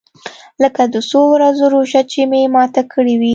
لکه د څو ورځو روژه چې مې ماته کړې وي.